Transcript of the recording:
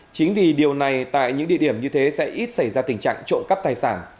chính vì điều này tại những địa điểm như thế sẽ ít xảy ra tình trạng trộm cắp tài sản